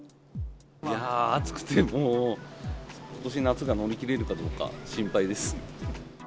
いやー、暑くてもう、ことし夏が乗り切れるかどうか心配です。